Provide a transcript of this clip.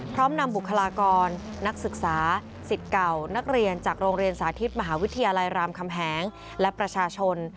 พร้อมนำบุคลากรนักศึกษาสิทธิ์เก่านักเรียนจากโรงเรียนสาธิตมหาวิทยาลัยรามคำแหงและประชาชน